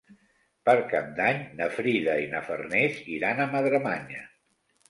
Per Cap d'Any na Frida i na Farners iran a Madremanya.